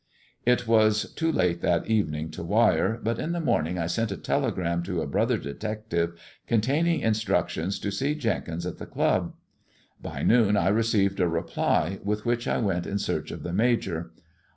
It was too late that evening to wire, but in the morning I sent a telegram to a brother detective containing in structions to see Jenkins at the club. By noon I received a reply, with which I went in search of the Major.